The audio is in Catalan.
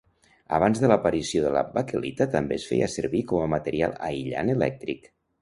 Abans de l'aparició de la baquelita també es feia servir com a material aïllant elèctric.